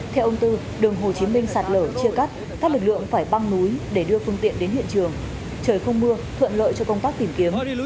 theo ông tư đường hồ chí minh sạt lở chia cắt các lực lượng phải băng núi để đưa phương tiện đến hiện trường trời không mưa thuận lợi cho công tác tìm kiếm